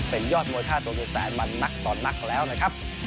เป็นยอดมวยท่าตัวเมืองแสนมานักต่อนักแล้วนะครับ